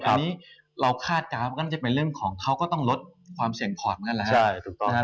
อันนี้เราคาดการณ์ก็จะเป็นเรื่องของเขาก็ต้องลดความเสี่ยงพอร์ตเหมือนกันนะครับ